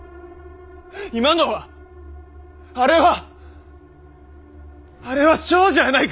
今のはあれはあれは少女やないか！